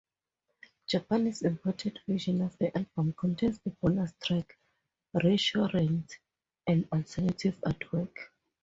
Japanese import version of the album contains the bonus track "Resurrect", and alternate artwork.